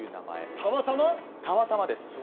たまたまです。